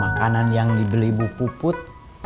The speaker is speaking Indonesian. makanan yang dibeli bu put